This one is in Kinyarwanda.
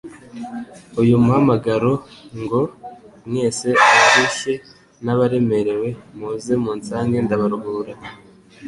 uyu muhamagaro ngo: "Mwese abarilshye n'abaremerewe muze munsange ndabaruhura.